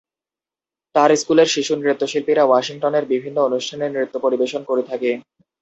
তাঁর স্কুলের শিশু নৃত্যশিল্পীরা ওয়াশিংটনের বিভিন্ন অনুষ্ঠানে নৃত্য পরিবেশন করে থাকে।